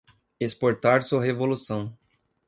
exportar sua Revolução